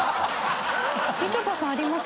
みちょぱさんあります？